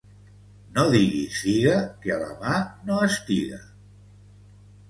No diguis figa que a la mà no estiga.